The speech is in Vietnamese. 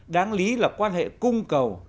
đáng lý là quan hệ cung cầu